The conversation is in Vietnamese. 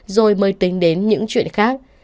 rồi mới tính đến những chuyện khác